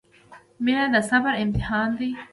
• مینه د صبر امتحان دی.